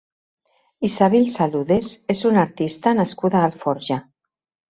Isabel Saludes és una artista nascuda a Alforja.